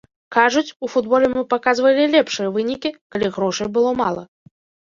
Кажуць, у футболе мы паказвалі лепшыя вынікі, калі грошай было мала.